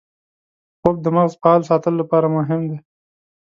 خوب د مغز فعال ساتلو لپاره مهم دی